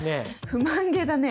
不満げだね。